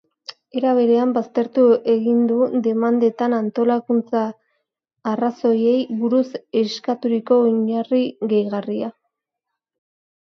Era berean, baztertu egin du demandetan antolakuntza arrazoiei buruz eskaturiko oinarri gehigarria.